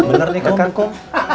bener nih kakak kum